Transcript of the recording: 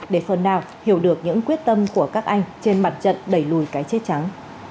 để phần nào hiểu được những quyết tâm của các anh trên mặt trận đẩy lùi cái chết trắng